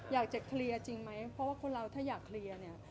อยากจะเคลียร์จริงไหมเพราะว่าคนเราถ้าอยากเคลียร์เนี่ย